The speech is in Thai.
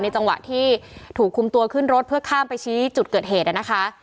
จังหวะที่ถูกคุมตัวขึ้นรถเพื่อข้ามไปชี้จุดเกิดเหตุนะคะ